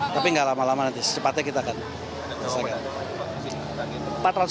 tapi nggak lama lama nanti secepatnya kita akan